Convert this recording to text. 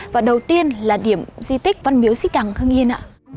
và đầu tiên là điểm di tích văn miếu xích đằng khương yên